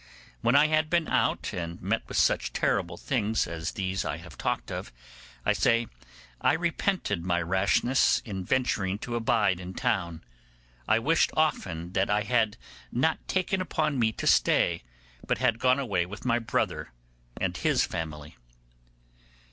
When I had been out, and met with such terrible things as these I have talked of, I say I repented my rashness in venturing to abide in town. I wished often that I had not taken upon me to stay, but had gone away with my brother and his family.